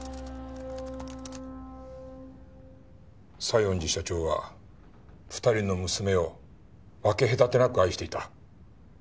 西園寺社長は２人の娘を分け隔てなく愛していた。